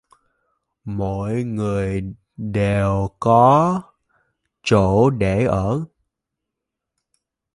Mọi người đều có chỗ để ở